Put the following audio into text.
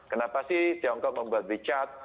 kenapa sih tiongkok membuat richard